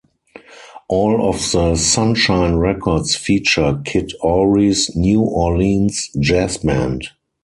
All of the Sunshine Records feature Kid Ory's New Orleans jazz band.